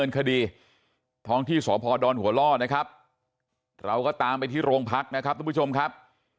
คดีท้องที่สพดหัวล่อนะครับเราก็ตามไปที่โรงพักนะครับทุกผู้ชมครับ